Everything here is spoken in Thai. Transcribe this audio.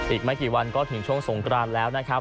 อีกไม่กี่วันก็ถึงช่วงสงกรานแล้วนะครับ